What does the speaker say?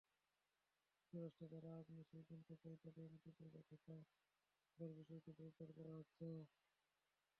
যুক্তরাষ্ট্রে যারা আগ্নেয়াস্ত্র কিনতে চায়, তাদের অতীত ঘেঁটে দেখার বিষয়টি জোরদার করা হচ্ছে।